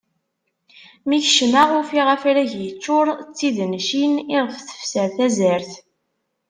Mi kecmeɣ ufiɣ afrag yeččur d tidencin iɣef tefser tazart.